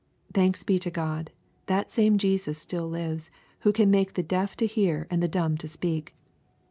Thanks be to God, that same Jesus still lives, who can make the deaf to hear and the dumb to speak